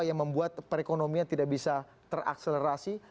yang membuat perekonomian tidak bisa terakselerasi